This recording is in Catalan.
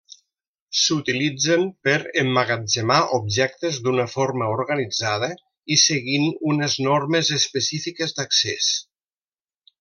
S'utilitzen per emmagatzemar objectes d'una forma organitzada i seguint unes normes específiques d'accés.